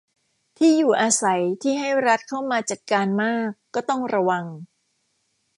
ที่อยู่อาศัยที่ให้รัฐเข้ามาจัดการมาก ก็ต้องระวัง